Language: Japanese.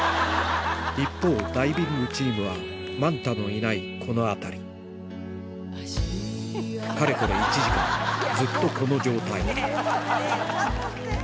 一方ダイビングチームはマンタのいないこの辺りかれこれ１時間ねぇちゃんとして！